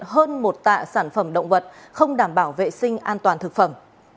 hơn một tạ sản phẩm động vật không đảm bảo vệ sinh an toàn thực phẩm